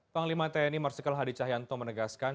panglima tni marsikal hadi cahyanto menegaskan